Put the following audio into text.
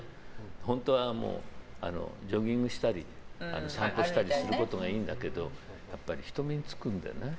本当はジョギングしたり散歩したりするのがいいんだけどやっぱり、人目につくのでね。